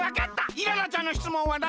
イララちゃんのしつもんはなんだっけ？